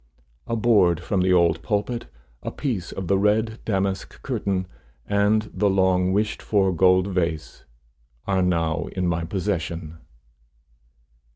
A board from the old pulpit, a piece of the red damask curtain, and the long wished for gold vase, are now in my possession.